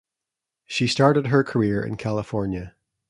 She started her career in California.